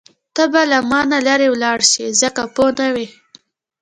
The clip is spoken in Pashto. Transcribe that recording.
ته به له مانه لرې لاړه شې ځکه پوه نه وې.